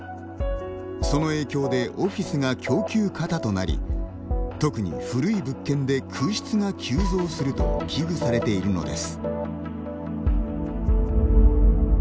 その影響でオフィスが供給過多となり特に古い物件で空室が急増すると危惧されているのです。